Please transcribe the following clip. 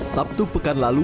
sabtu pekan lalu